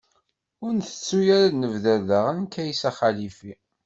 Ur ntettu ara ad d-nebder daɣen Kaysa Xalifi.